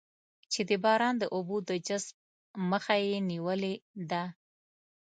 چې د باران د اوبو د جذب مخه یې نېولې ده.